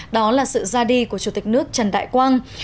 đó là sự ra đi của chủ tịch nước trần đại quang